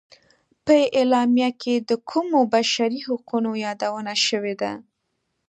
په اعلامیه کې د کومو بشري حقونو یادونه شوې ده.